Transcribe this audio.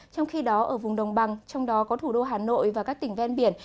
trong khi đó ở vùng đồng bằng trong đó có thủ đô hà nội và các tỉnh ven biển